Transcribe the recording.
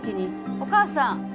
お義母さん。